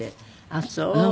あっそう。